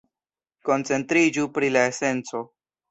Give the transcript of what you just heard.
Koncentriĝu pri la esenco.